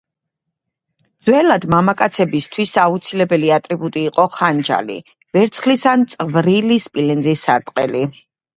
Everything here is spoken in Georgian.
ძველად მამაკაცებისთვის აუცილებელი ატრიბუტი იყო ხანჯალი, ვერცხლის ან წვრილი სპილენძის სარტყელი.